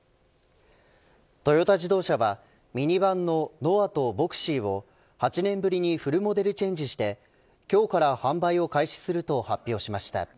トヨタ自動車はミニバンのノアとヴォクシーを８年ぶりにフルモデルチェンジして今日から販売を開始すると発表しました。